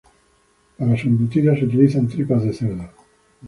Para su embutido, se utilizan tripas de cerdo.